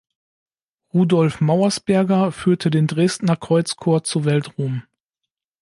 Rudolf Mauersberger führte den Dresdner Kreuzchor zu Weltruhm.